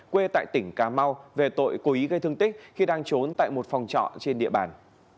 quê tại tỉnh cà mau về tội cố ý gây thương tích khi đang trốn tại một phòng trọ trên địa bàn